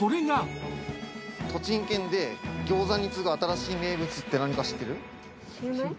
栃木県で、餃子に次ぐ新しい名物って何か知ってる？